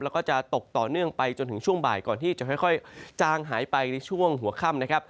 แล้วก็จะตกต่อเนื่องไปจนถึงช่วงบ่ายก่อนที่จะค่อยจางหายไปในช่วงหัวค่ำนะครับ